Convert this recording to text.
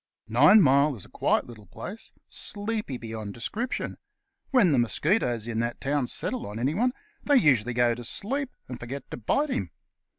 Ninemile is a quiet little place, sleepy beyond description. When the mosquitoes in that town settle on anyone, they usually go to sleep, and forget to bite him.